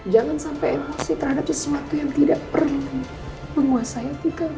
jangan sampai emosi terhadap sesuatu yang tidak perlu menguasai hati kamu